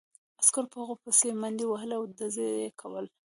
عسکرو په هغوی پسې منډې وهلې او ډزې یې کولې